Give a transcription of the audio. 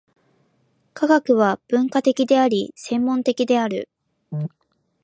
科学は分科的であり、専門的である。